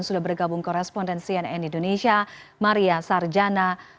sudah bergabung korespondensi nn indonesia maria sarjana